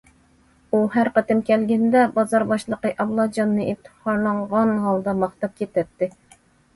ئۇ ھەر قېتىم كەلگىنىدە، بازار باشلىقى ئابلاجاننى ئىپتىخارلانغان ھالدا ماختاپ كېتەتتى.